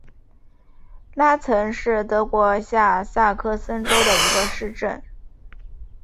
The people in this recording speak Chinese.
拉岑是德国下萨克森州的一个市镇。